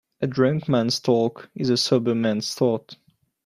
A drunk man's talk is a sober man's thought.